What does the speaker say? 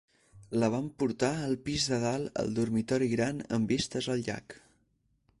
La van portar al pis de dalt al dormitori gran amb vistes al llac.